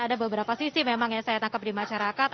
ada beberapa sisi memang yang saya tangkap di masyarakat